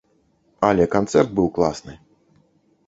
Але канцэрт быў класны.